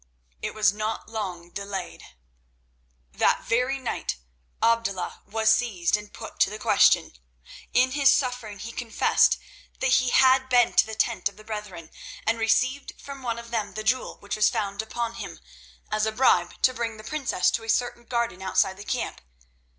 It was not long delayed. That very night Abdullah was seized and put to the question. In his suffering he confessed that he had been to the tent of the brethren and received from one of them the jewel which was found upon him, as a bribe to bring the princess to a certain garden outside the camp.